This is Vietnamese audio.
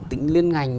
tính liên ngành